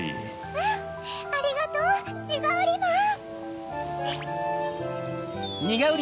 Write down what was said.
うんありがとうニガウリマン！